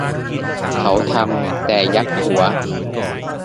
เขาทำ แต่ยักหัว